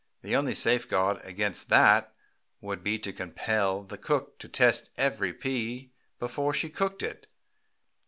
"The only safeguard against that would be to compel the cook to test every pea before she cooked it.